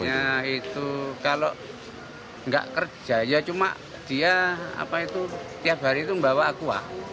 kerjanya itu kalau tidak kerja cuma dia tiap hari membawa aqua